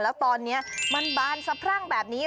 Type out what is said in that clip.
แล้วตอนนี้มันบานสะพรั่งแบบนี้